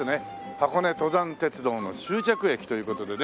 箱根登山鉄道の終着駅という事でね。